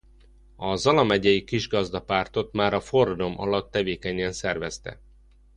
A Zala megyei kisgazdapártot már a forradalom alatt tevékenyen szervezte.